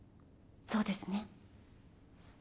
そうですね？